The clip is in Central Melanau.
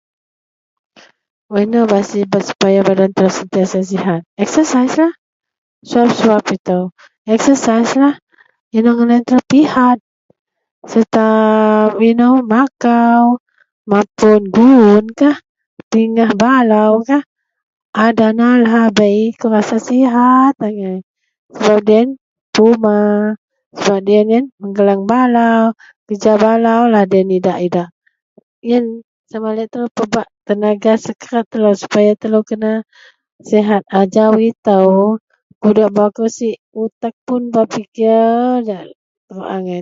Wak ino bak sibet supaya badan sentiasa sihat. Eksasaih lah, suwab-suwab ito eksasaih lah eno ngadan ito pinat serta wak eno makau mapun guwon kah pingah balau lah a dana lahabei angai puma mengeleng balau pejaja balau lah loyen idak-idak pebak tenaga skerat. ajau ito kudok bau keresik otek berpikir puon terouk angai.